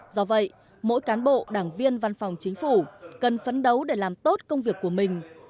do vậy mỗi cán bộ đảng viên văn phòng chính phủ cần phấn đấu để làm tốt công việc của mình